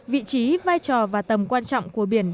vị trí vai trò và tầm quan trọng